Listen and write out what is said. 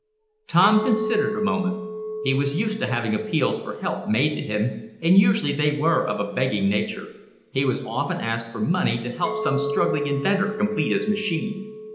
Tom Swift considered a moment. He was used to having appeals for help made to him, and usually they were of a begging nature. He was often asked for money to help some struggling inventor complete his machine.